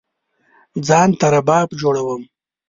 ځان ته رباب جوړوم